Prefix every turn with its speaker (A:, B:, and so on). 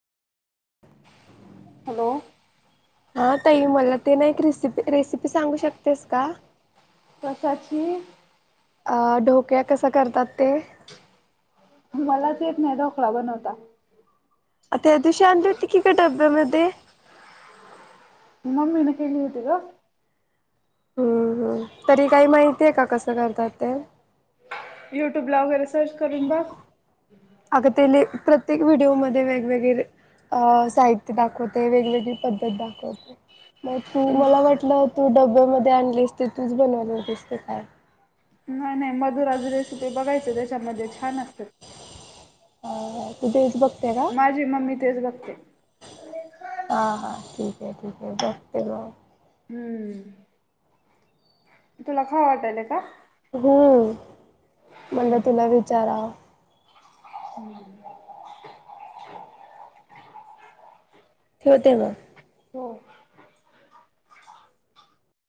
A: Hello,
B: हा ताई, मला ते ना एक रेसिपी, रेसिपी सांगू शकतेस का?
A: कशाची?
B: अ ढोकळा कसा करतात ते?
A: मलाच येत नाय ढोकळा बनवता.
B: आता अ दी शांत होती की का डब्यामध्ये.
A: मम्मी ना केली होती ग.
B: हम्म हम्, तरी काही माहितीय का कसं करतात ते?
A: युट्यूब ला वगैरे सर्च करून बघ,
B: अग ते लय, प्रत्येक व्हिडिओमध्ये वेगवेगळे अ साहित्य दाखवतेय, वेगवेगळी पद्धत दाखवतेय. मग तू, मला वाटलं तू डब्यामध्ये आणलीसते तूच बनवलेतेसते का काय.
A: नाही नाही,, मधुराची रेसिपी बघायच त्याच्यामध्ये छान असतात.
B: अ तु बज बघते का.
A: माझी मम्मी तेच बघते.
B: हां हां, ठीक आहे ठीक आहे, बघते मगऽ
A: हम्म, तुला खाऊ वाटालय का?
B: हम्, म्हटलं तुला विचारावं.
A: हम्म.
B: ठेवते म.
A: हो.